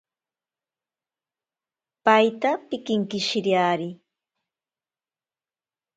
Paita pinkinkishiriari.